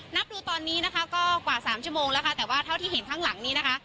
นับดูตอนนี้กว่า๓ชั่วโมงแล้วแต่ว่าเท่าที่เห็นข้างหลังนี้